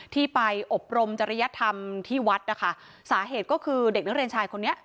ที่ไปอบรมจริยธรรมที่วัดนะคะสาเหตุก็คือเด็กนักเรียนชายคนนี้